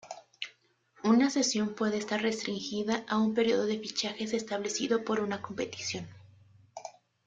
Una cesión puede estar restringida a un periodo de fichajes establecido por una competición.